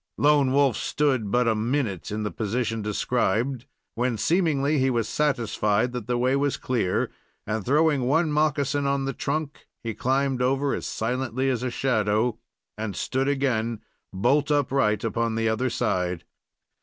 Lone Wolf stood but a minute in the position described, when, seemingly, he was satisfied that the way was clear, and, throwing one moccasin on the trunk, he climbed over as silently as a shadow, and stood again holt upright upon the other side.